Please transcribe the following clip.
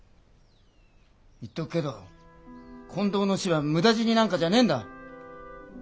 言っとくけど近藤の死は無駄死になんかじゃねえんだ。